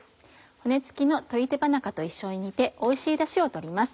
骨付きの鶏手羽中と一緒に煮ておいしいダシを取ります。